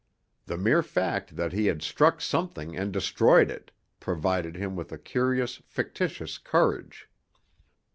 The mere fact that he had struck something and destroyed it provided him with a curious fictitious courage.